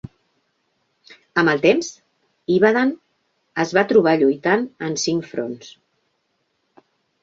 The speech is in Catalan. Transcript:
Amb el temps, Ibadan es va trobar lluitant en cinc fronts.